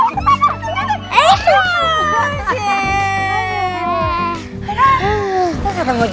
yea miss kiki duluan berarti reyna kalah